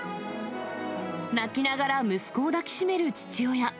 泣きながら息子を抱き締める父親。